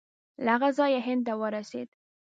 له هغه ځایه هند ته ورسېد.